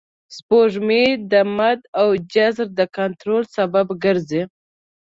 سپوږمۍ د مد او جزر د کنټرول سبب ګرځي